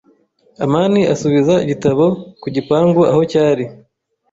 amani asubiza igitabo ku gipangu aho cyari